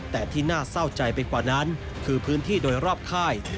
แต่ที่น่าเศร้าใจไปกว่านั้นคือพื้นที่โดยรอบค่าย